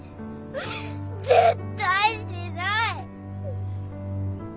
絶対しない。